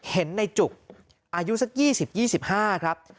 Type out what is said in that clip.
เห็นในจุกอายุสักยี่สิบยี่สิบห้าครับ